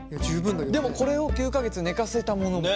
でもこれを９か月寝かせたものが。